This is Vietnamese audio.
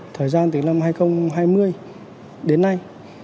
thời gian từ năm hai nghìn hai mươi đến nay